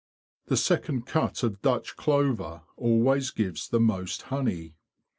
'' The second cut of Dutch clover always gives the most honey.